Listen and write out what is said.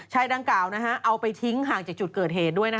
ดังกล่าวเอาไปทิ้งห่างจากจุดเกิดเหตุด้วยนะ